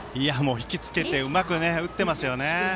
引き付けてうまく打ってますね。